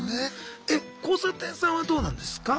え交差点さんはどうなんですか？